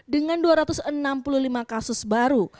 dengan dua ratus enam puluh lima kasus baru